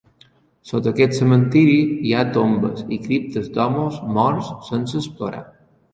Sota aquest cementiri hi ha tombes i criptes d'homes morts sense explorar.